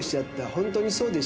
本当にそうでしょうか？